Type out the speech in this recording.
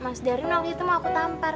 mas daryono waktu itu mau aku tampar